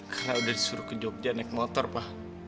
karena udah disuruh ke jogja naik motor pa